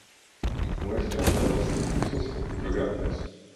Muestra de los recursos hidrográficos.